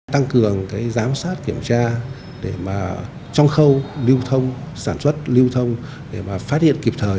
tăng cường giám sát kiểm tra để mà trong khâu lưu thông sản xuất lưu thông để mà phát hiện kịp thời